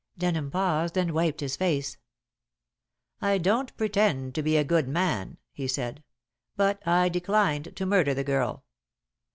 Denham paused, and wiped his face. "I don't pretend to be a good man," he said, "but I declined to murder the girl.